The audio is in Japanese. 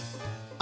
あ！